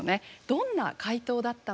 どんな回答だったのか。